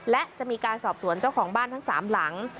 และจะมีการสอบสวนเจ้าของบ้านทั้ง๓หลัง